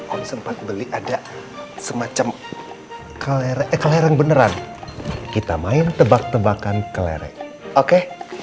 om sempat beli ada semacam kelereng eh kelereng beneran kita main tebak tebakan kelereng oke